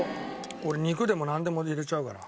俺肉でもなんでも入れちゃうから。